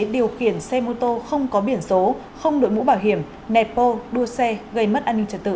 điều khiển xe mô tô không có biển số không đội mũ bảo hiểm nẹp bô đua xe gây mất an ninh trật tự